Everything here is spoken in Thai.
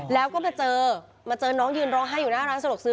แล้วก็มาเจอมาเจอน้องยืนร้องไห้อยู่หน้าร้านสะดวกซื้อ